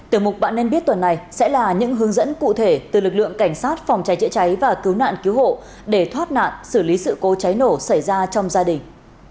tiểu mục bạn nên biết tuần này sẽ là những hướng dẫn cụ thể từ lực lượng cảnh sát phòng cháy chữa cháy và cứu nạn cứu hộ để thoát nạn xử lý sự cố cháy nổ xảy ra trong gia đình